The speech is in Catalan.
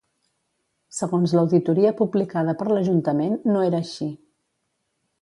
Segons l'auditoria publicada per l'Ajuntament, no era així.